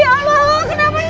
ya allah kenapa